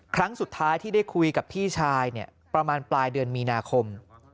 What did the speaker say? ครั้งสุดท้ายที่ได้คุยกับพี่ชายเนี่ยประมาณปลายเดือนมีนาคม